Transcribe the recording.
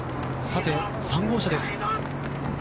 さて、３号車です。